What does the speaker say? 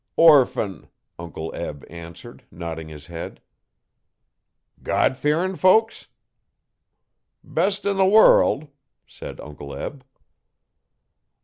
'Orphan,' Uncle Eb answered, nodding his head. 'God fearin' folks?' 'Best in the world,' said Uncle Eb.